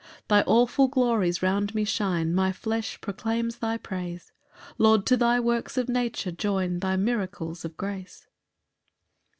5 Thy awful glories round me shine, My flesh proclaims thy praise; Lord, to thy works of nature join Thy miracles of grace.